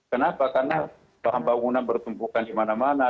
kenapa karena bahan bangunan bertumpukan di mana mana